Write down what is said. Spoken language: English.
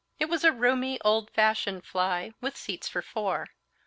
It was a roomy, old fashioned fly, with seats for four.